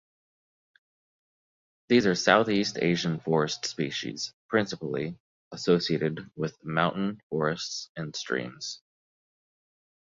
These are southeast Asian forest species principally associated with mountain forests and streams.